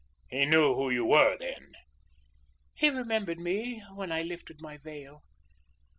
He knew who you were then?" "He remembered me when I lifted my veil.